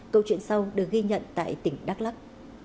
câu chuyện sau được ghi nhận tại tỉnh đắk lắc